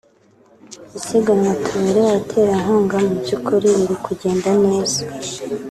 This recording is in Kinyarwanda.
Isiganwa tubereye abaterankunga mu by’ukuri riri kugenda neza